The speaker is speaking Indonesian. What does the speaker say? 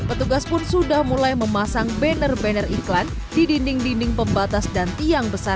petugas pun sudah mulai memasang banner banner iklan di dinding dinding pembatas dan tiang besar